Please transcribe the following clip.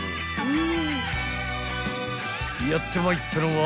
［やってまいったのは］